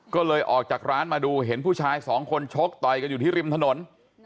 ก็เลยออกจากร้านมาดูเห็นผู้ชายสองคนชกต่อยกันอยู่ที่ริมถนน